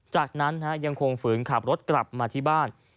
จากนั้นยังคงฝืนขับรถกลับมาที่บ้าน